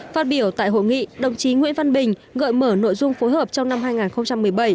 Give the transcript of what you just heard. phát biểu tại hội nghị đồng chí nguyễn văn bình gợi mở nội dung phối hợp trong năm hai nghìn một mươi bảy